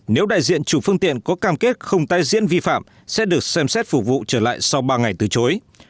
nếu đại diện chủ phương tiện có cam kết không tái diễn vi phạm sẽ được xem xét phục vụ trở lại sau ba ngày từ chối